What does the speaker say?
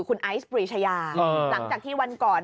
คุณไอซ์ปรีชายาหลังจากที่วันก่อน